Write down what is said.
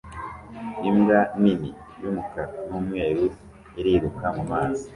Imbwa nini y'umukara n'umweru iriruka mu mazi